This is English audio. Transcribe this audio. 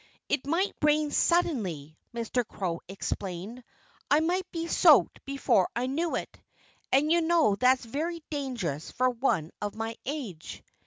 "It might rain suddenly," Mr. Crow explained. "I might be soaked before I knew it and you know that's very dangerous for one of my age."